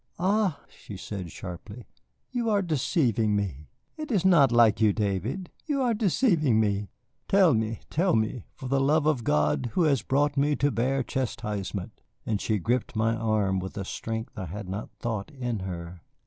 "Ah," she said sharply, "you are deceiving me. It is not like you, David. You are deceiving me. Tell me, tell me, for the love of God, who has brought me to bear chastisement." And she gripped my arm with a strength I had not thought in her.